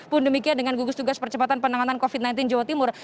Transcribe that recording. pun demikian dengan gugus tugas percepatan penanganan covid sembilan belas jawa timur